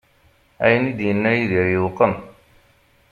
Ayen i d-yenna Yidir yewqem.